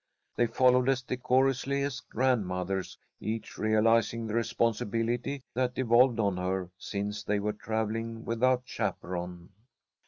They followed as decorously as grandmothers, each realizing the responsibility that devolved on her, since they were travelling without a chaperon.